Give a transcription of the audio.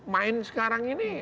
main sekarang ini